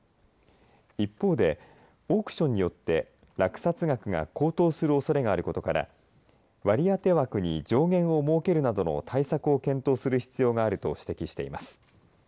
一方で、オークションによって落札額が高騰するおそれがあることから割当枠に上限を設けるなどの対策を検討する必要があると指摘しています。